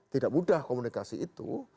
tidak mudah komunikasi itu